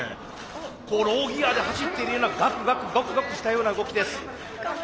ローギヤで走っているようなガクガクガクガクしたような動きです。